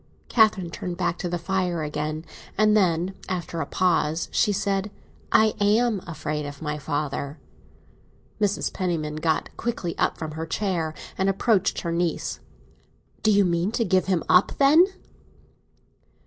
Catherine turned back to the fire again, and then, after a pause, she said—"I am afraid of my father." Mrs. Penniman got quickly up from her chair and approached her niece. "Do you mean to give him up, then?"